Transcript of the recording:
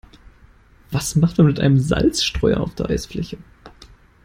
Was macht man mit einem Salzstreuer auf der Eisfläche?